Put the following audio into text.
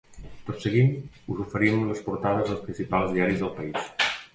Tot seguit us oferim les portades dels principals diaris del país.